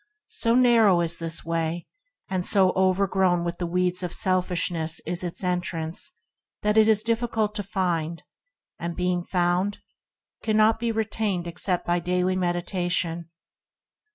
So narrow is this way and so overgrown with the weeds of selfishness is its entrance, that it is difficult to find; and, being found, it cannot be retained except by daily medita tion.